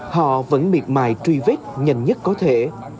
họ vẫn miệt mài truy vết nhanh nhất có thể